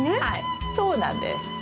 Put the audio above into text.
はいそうなんです。